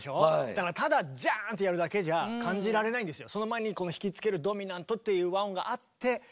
だからただジャーンとやるだけじゃ感じられないんですよ。